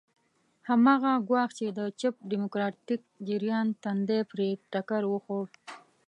هماغه ګواښ چې د چپ ډیموکراتیک جریان تندی پرې ټکر وخوړ.